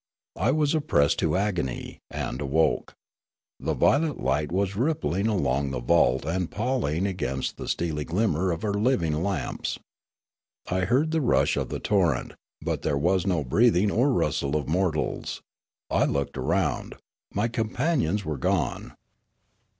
I was oppressed to agon}', and awoke. The violet light was rippling along the vault and paling the steely glimmer of our living lamps. I heard the rush of the torrent; but there was no breath ing or rustle of mortals. I looked around. My com panions were gone.